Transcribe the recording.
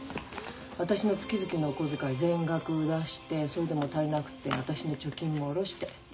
私の月々のお小遣い全額出してそれでも足りなくて私の貯金も下ろして。